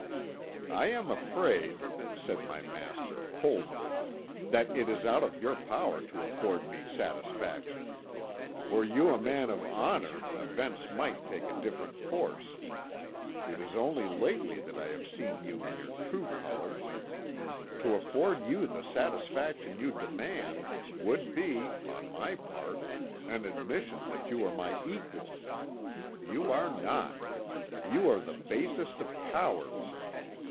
"'I am afraid,' said my master coldly, 'that it is out of your power to afford me satisfaction. Were you a man of honour events might take a different course. It is only lately that I have seen you in your true colours; to afford you the satisfaction you demand would be, on my part, an admission that you are my equal. You are not; you are the basest of cowards.